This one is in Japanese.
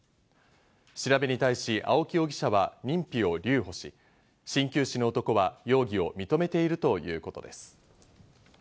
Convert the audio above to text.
調べに対し青木容疑者は認否を留保し、針灸師の男は容疑を認めているということです。